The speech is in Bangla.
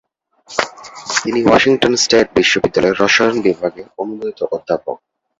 তিনি ওয়াশিংটন স্টেট বিশ্ববিদ্যালয়ের রসায়ন বিভাগের অনুমোদিত অধ্যাপক।